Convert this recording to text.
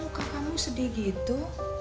muka kamu sedih gitu